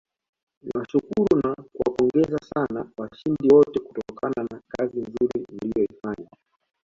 Niwashukuru na kuwapongeza sana washindi wote kutokana na kazi nzuri mliyoifanya